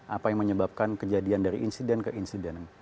apa yang menyebabkan kejadian dari insiden ke insiden